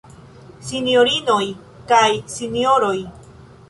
Sinjorinoj kaj Sinjoroj!